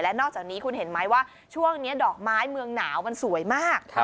นอกจากนี้คุณเห็นไหมว่าช่วงนี้ดอกไม้เมืองหนาวมันสวยมาก